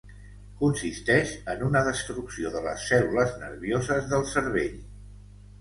Consisteix en una destrucció de les cèl·lules nervioses del cervell.